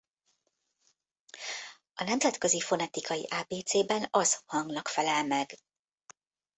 A nemzetközi fonetikai ábécében az hangnak felel meg.